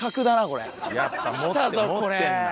やっぱ持ってんな。